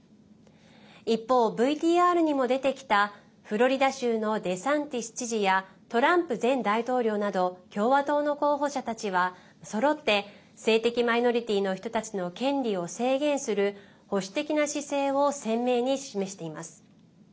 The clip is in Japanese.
一方、ＶＴＲにも出てきたフロリダ州のデサンティス知事やトランプ前大統領など共和党の候補者たちは、そろって性的マイノリティーの人たちの権利を制限する保守的な姿勢を鮮明に示しています。